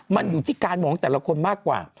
มันอยู่ที่การมองแต่ละคนมากกว่า